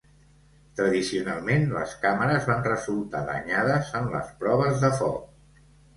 Tradicionalment, les càmeres van resultar danyades en les proves de foc.